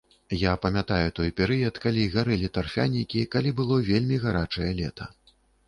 Я памятаю той перыяд, калі гарэлі тарфянікі, калі было вельмі гарачае лета.